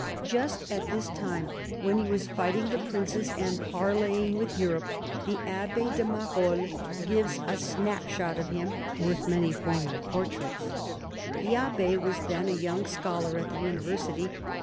Just at this time, when he was fighting the princes and parleying with Europe, the Abb6 de MaroUes gives a snap shot of him worth many formal portraits. The Abb6 was then a young scholar at the university.